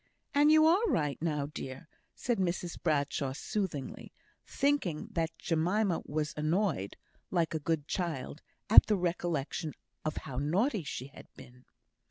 And you are right now, dear!" said Mrs Bradshaw, soothingly, thinking that Jemima was annoyed (like a good child) at the recollection of how naughty she had been.